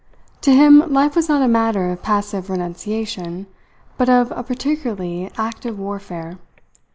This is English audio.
To him life was not a matter of passive renunciation, but of a particularly active warfare.